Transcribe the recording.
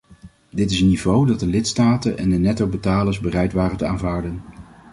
Dit is een niveau dat de lidstaten en de nettobetalers bereid waren te aanvaarden.